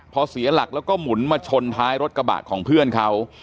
พอเสียหลักแล้วก็หมุนมาชนท้ายรถกระบะของเพื่อนเขา